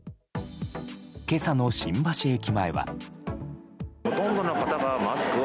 今朝の新橋駅前は。